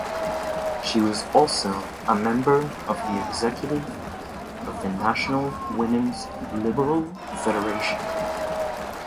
She was also a member of the Executive of the national Women's Liberal Federation.